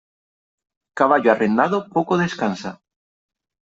Caballo arrendado, poco descansa.